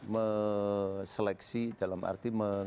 meseleksi dalam arti